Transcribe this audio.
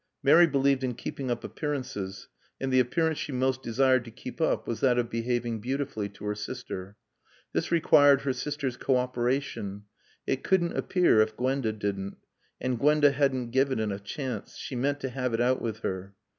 Mary believed in keeping up appearances, and the appearance she most desired to keep up was that of behaving beautifully to her sister. This required her sister's co operation. It couldn't appear if Gwenda didn't. And Gwenda hadn't given it a chance. She meant to have it out with her.